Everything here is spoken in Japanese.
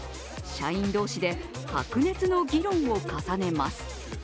社員同士で白熱の議論を重ねます。